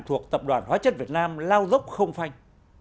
thuộc tập đoàn hóa chất việt nam lao dốc không phanh